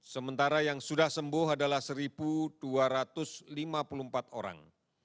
sementara yang sudah sembuh adalah satu dua ratus lima puluh empat orang